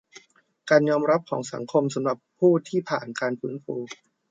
การยอมรับของสังคมสำหรับผู้ที่ผ่านการฟื้นฟู